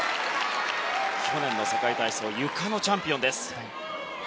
去年の世界体操ゆかのチャンピオンです。